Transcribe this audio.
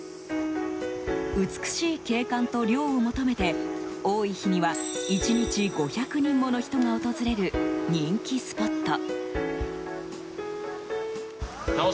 美しい景観と涼を求めて多い日には１日５００人もの人が訪れる人気スポット。